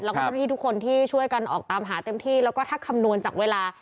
แล้วก็เจ้าหน้าที่ทุกคนที่ช่วยกันออกตามหาเต็มที่แล้วก็ถ้าคำนวณจากเวลา